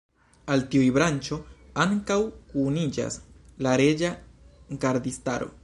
Al tiuj branĉo ankaŭ kuniĝas la Reĝa Gardistaro.